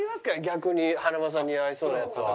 逆に華丸さんに似合いそうなやつは。